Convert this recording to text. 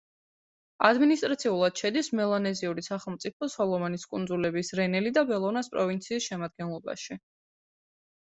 ადმინისტრაციულად შედის მელანეზიური სახელმწიფო სოლომონის კუნძულების რენელი და ბელონას პროვინციის შემადგენლობაში.